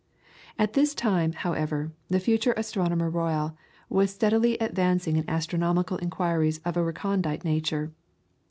All this time, however, the future Astronomer Royal was steadily advancing in astronomical inquiries of a recondite nature.